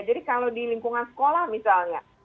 jadi kalau di lingkungan sekolah misalnya